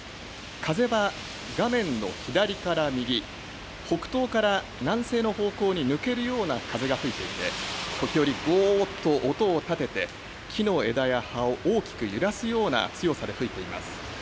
風は画面の左から右北東から南西の方向に抜けるような風が吹いていて時折ゴーっと音を立てて木の枝や葉を大きく揺らすような強さで吹いています。